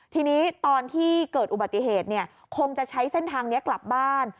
ทีนี้ตอนที่เกิดอุบัติเหตุคงจะใช้เส้นทางนี้กลับบ้าน